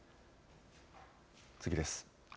次です。